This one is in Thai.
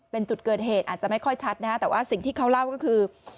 เป็นจุดเกิดเหตุอาจจะไม่ค่อยชัดนะฮะแต่ว่าสิ่งที่เขาเล่าก็คือ